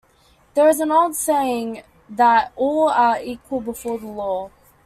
There is an old saying that 'All are equal before the law.